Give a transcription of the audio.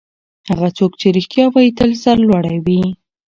هغه څوک چې رښتیا وايي تل سرلوړی وي.